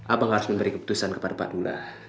abang harus memberi keputusan kepada pakullah